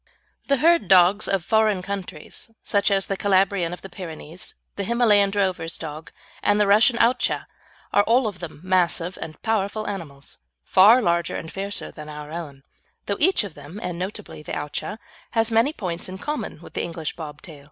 The herd dogs of foreign countries, such as the Calabrian of the Pyrenees, the Himalayan drover's dog, and the Russian Owtchah, are all of them massive and powerful animals, far larger and fiercer than our own, though each of them, and notably the Owtchah, has many points in common with the English bob tail.